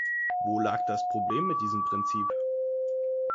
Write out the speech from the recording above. Wo lag das Problem mit diesem Prinzip?